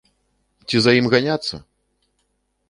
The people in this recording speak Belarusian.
Ці за ім ганяцца?